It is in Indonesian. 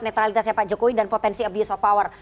netralitasnya pak jokowi dan potensi abuse of power